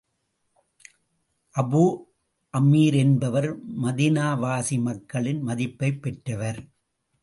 Abu Amir என்பவர் மதீனாவாசி மக்களின் மதிப்பைப் பெற்றவர்.